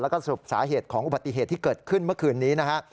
แล้วก็สรุปสาเหตุของอุบัติเหตุที่เกิดขึ้นเมื่อคืนนี้นะฮะ